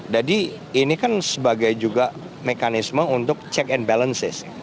jadi ini kan sebagai juga mekanisme untuk check and balances